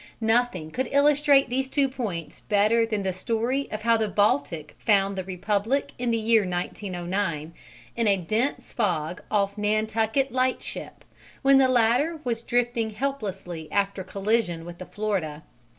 Nothing could illustrate these two points better than the story of how the Baltic found the Republic in the year 1909, in a dense fog off Nantucket Lightship, when the latter was drifting helplessly after collision with the Florida.